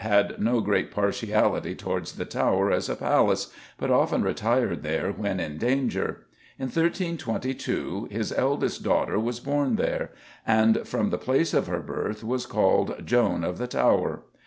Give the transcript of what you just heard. had no great partiality towards the Tower as a palace, but often retired there when in danger. In 1322 his eldest daughter was born here, and, from the place of her birth, was called Joan of the Tower.